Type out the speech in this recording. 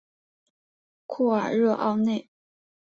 库尔热奥内。